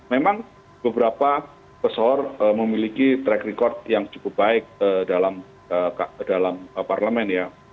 memang beberapa pesohor memiliki track record yang cukup baik dalam parlemen ya